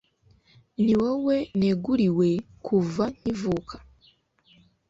ni wowe neguriwe kuva nkivuka